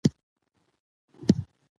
د مور او ماشوم رواني څانګه ملاتړ وړاندې کوي.